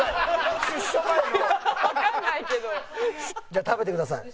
じゃあ食べてください。